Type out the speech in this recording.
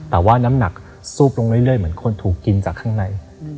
แต่ว่าน้ำหนักซูบลงเรื่อยเหมือนคนถูกกินจากข้างใน